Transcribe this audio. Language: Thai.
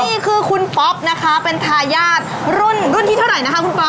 นี่คือคุณป๊อปนะคะเป็นทายาทรุ่นรุ่นที่เท่าไหร่นะคะคุณป๊อ